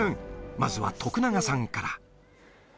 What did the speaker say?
まずは徳永さんから。